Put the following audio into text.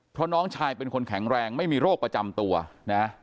เพราะน้องชายเป็นคนแข็งแรงไม่มีโรคประจำตัวนะ